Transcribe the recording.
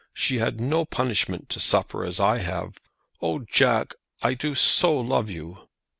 She had no punishment to suffer as I have. Oh, Jack! I do so love you."